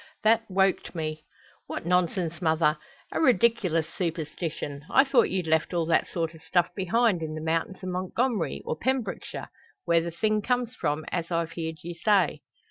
That woked me." "What nonsense, mother! A ridiklous superstition! I thought you'd left all that sort o' stuff behind, in the mountains o' Montgomery, or Pembrokeshire, where the thing comes from, as I've heerd you say."